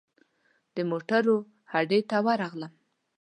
د موټرو هډې ته ورغلم.